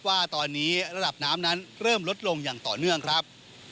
ว่าตอนนี้ระดับน้ำนั้นเริ่มลดลงอย่างต่อเนื่องครับ